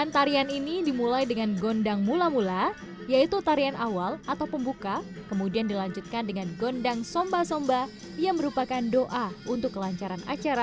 tarian ini dimulai dengan gondang mula mula yaitu tarian awal atau pembuka kemudian dilanjutkan dengan gondang somba somba yang merupakan doa untuk kelancaran acara